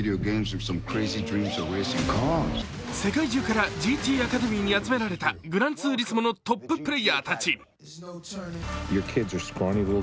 世界中からＧＴアカデミーに集められた「グランツーリスモ」のトッププレーヤーたち。